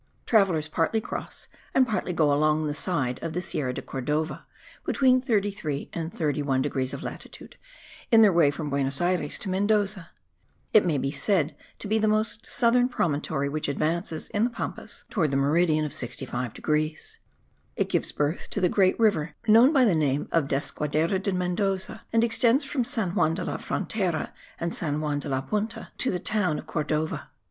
Travellers partly cross and partly go along the side of the Sierra de Cordova (between 33 and 31 degrees of latitude) in their way from Buenos Ayres to Mendoza; it may be said to be the most southern promontory which advances, in the Pampas, towards the meridian of 65 degrees; it gives birth to the great river known by the name of Desaguadero de Mendoza and extends from San Juan de la Frontera and San Juan de la Punta to the town of Cordova.